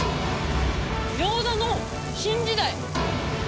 餃子の新時代。